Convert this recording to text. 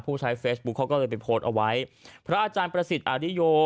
ใช้เฟซบุ๊คเขาก็เลยไปโพสต์เอาไว้พระอาจารย์ประสิทธิ์อาริโย